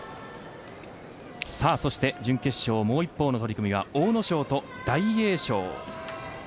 そして、準決勝もう一方の取組は阿武咲と大栄翔。